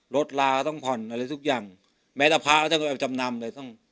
ลดลาเขาต้องผ่อนอะไรทุกอย่างแม้แต่พระเขาต้องเอาไปจำนำเลย